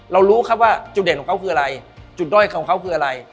รู้ครับว่าจุดเด่นของเขาคืออะไรจุดด้อยของเขาคืออะไร